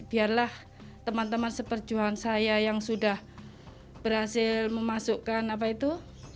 biarlah teman teman seperjuangan saya yang sudah berhasil memasukkan apa itu